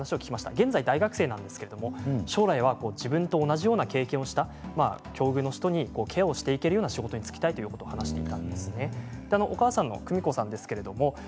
現在、大学生なんですけど将来は自分と同じような経験をした境遇の人のケアをしていけるような仕事に就きたいいうことでした。